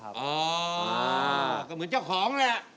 ก็เหมือนเจ้าข้องเลย